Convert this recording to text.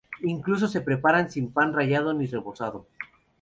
Incluso se preparan sin pan rallado ni rebozado.